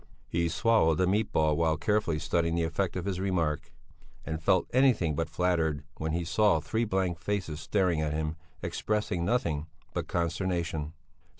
He swallowed a meat ball while carefully studying the effect of his remark and felt anything but flattered when he saw three blank faces staring at him, expressing nothing but consternation.